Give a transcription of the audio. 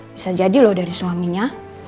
bisa jadi loh dari suaminya